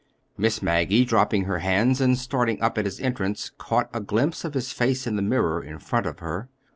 Miss Maggie, dropping her hands and starting up at his entrance, caught a glimpse of his face in the mirror in front of her.